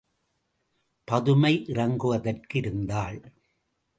பதுமை இறங்குவதற்கு இருந்தாள்.